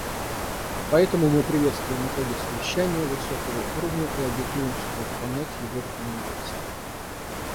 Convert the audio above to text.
Поэтому мы приветствуем итоги Совещания высокого уровня и обязуемся выполнять его рекомендации.